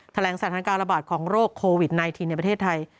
แถลงสถานการณ์ระบาดของโรคโควิด๑๙ในประเทศไทย